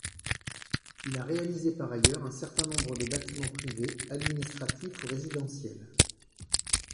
Il a réalisé par ailleurs un certain nombre de bâtiments privés, administratifs ou résidentiels.